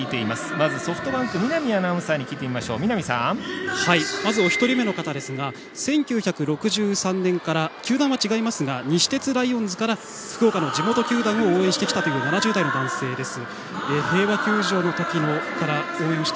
まずソフトバンク見浪アナウンサーにまずお一人目の方ですが１９６３年から球団は違いますが西鉄ライオンズから福岡の地元球団を応援してきたという７０代の男性です。